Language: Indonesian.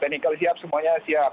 teknikal siap semuanya siap